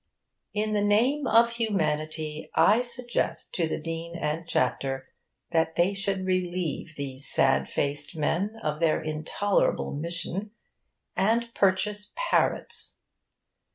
In the name of humanity, I suggest to the Dean and Chapter that they should relieve these sad faced men of their intolerable mission, and purchase parrots.